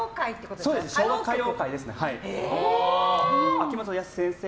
秋元康先生？